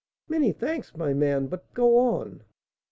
"Many thanks, my man; but go on."